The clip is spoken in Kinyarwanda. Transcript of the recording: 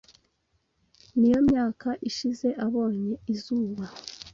niyo myaka ishize abonye izuba.